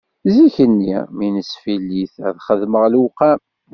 Zik-nni mi nesfillit, ad xedmeɣ lewqam